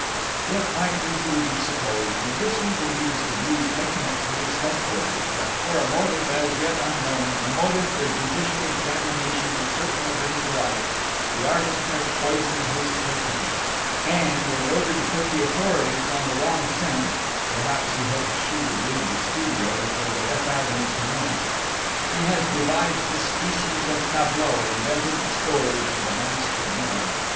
It might easily be supposed, and this we believe is the view taken at Police Headquarters, that for a motive as yet unknown, a motive the judicial examination will certainly bring to light, the artist has poisoned his patroness; and, in order to put the authorities on the wrong scent (perhaps he hoped she would leave the studio before the death agony commenced), he has devised this species of tableau, invented the story of the masked men.